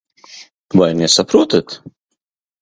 Vai nesaprotat?